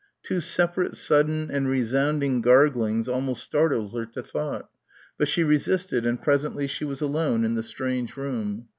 Two separate, sudden and resounding garglings almost startled her to thought, but she resisted, and presently she was alone in the strange room.